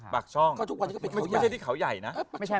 ไม่ใช่ที่เขาใหญ่นะ